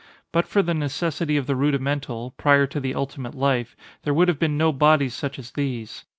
But for the necessity of the rudimental, prior to the ultimate life, there would have been no bodies such as these.